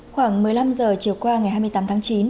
khoảng một mươi năm h chiều qua ngày hai mươi tám tháng chín